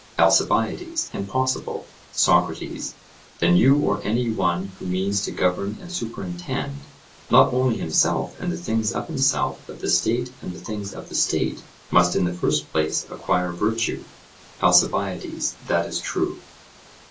ALCIBIADES: Impossible. SOCRATES: Then you or any one who means to govern and superintend, not only himself and the things of himself, but the state and the things of the state, must in the first place acquire virtue. ALCIBIADES: That is true.